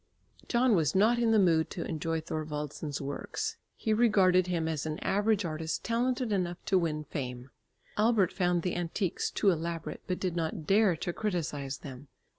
John was not in the mood to enjoy Thorwaldsen's works. He regarded him as an average artist talented enough to win fame. Albert found the antiques too elaborate, but did not dare to criticise them.